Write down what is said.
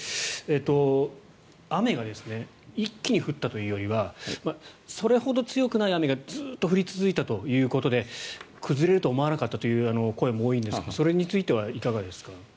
雨が一気に降ったというよりはそれほど強くない雨がずっと降り続いたということで崩れるとは思わなかったという声も多いんですがそれについてはいかがですか？